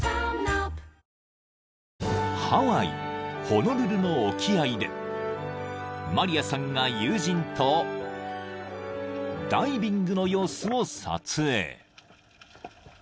［ホノルルの沖合でマリアさんが友人とダイビングの様子を撮影］